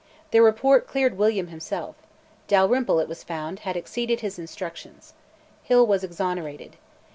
Their report cleared William himself: Dalrymple, it was found, had "exceeded his instructions." Hill was exonerated.